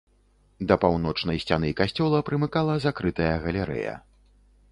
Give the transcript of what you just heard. Да паўночнай сцяны касцёла прымыкала закрытая галерэя.